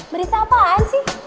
berita apaan sih